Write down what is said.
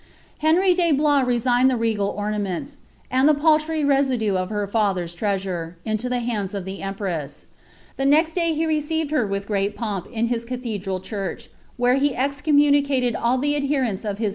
Henry de Bloia resigned the regal omatnents, and the fiuy midue of her father's irGoaure, into the hinds of the empress, he next day he received her with great pomp in his cathedral church, where be excommunicated all the adherents of hii!